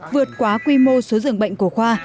vượt quá quy mô số dưỡng bệnh của khoa